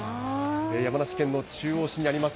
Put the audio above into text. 山梨県の中央市にあります